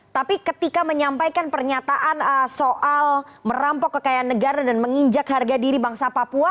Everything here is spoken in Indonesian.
tapi ketika menyampaikan pernyataan soal merampok kekayaan negara dan menginjak harga diri bangsa papua